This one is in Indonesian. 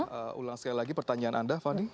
fani bisa ulang sekali lagi pertanyaan anda fani